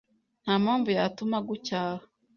Nta mpamvu yatuma agucyaha